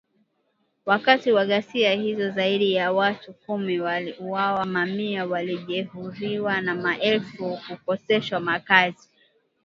Wakati wa ghasia hizo zaidi ya watu kumi waliuawa mamia walijeruhiwa na maelfu kukoseshwa makazi